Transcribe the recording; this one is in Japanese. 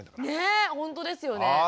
ねえほんとですよね。